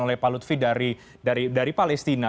oleh pak lutfi dari palestina